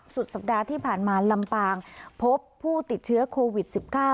สุดสัปดาห์ที่ผ่านมาลำปางพบผู้ติดเชื้อโควิด๑๙